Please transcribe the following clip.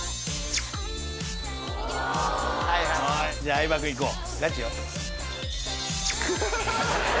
相葉君いこう。